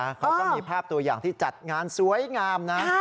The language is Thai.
เขาก็มีภาพตัวอย่างที่จัดงานสวยงามนะ